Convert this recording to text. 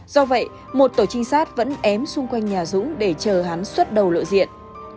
do vậy một tổ trinh sát vẫn ém xung quanh nhà dũng để chờ hắn xuất đầu lộ diện